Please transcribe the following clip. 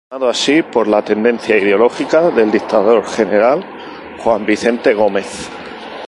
Llamado así por la tendencia ideológica del dictador General Juan Vicente Gómez.